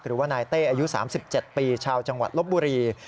หรือว่านายเต้อายุ๓๗ปีชาวจังหวัดลบบุรี